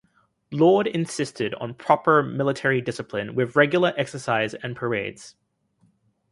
Lord insisted on proper military discipline with regular exercise and parades.